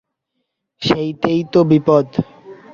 সেইটেই তো বিপদ।